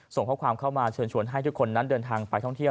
ส่งข้อความเข้ามาเชิญชวนให้ทุกคนนั้นเดินทางไปท่องเที่ยว